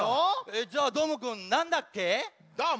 えっじゃあどーもくんなんだっけ？